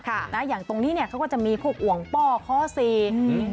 นะอย่างตรงนี้เนี้ยเขาก็จะมีพวกอ่วงป้อคอสี่อืม